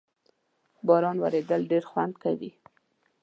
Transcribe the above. باران ورېدل ډېر خوند کوي